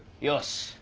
よし！